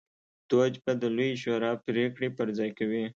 دوج به د لویې شورا پرېکړې پر ځای کوي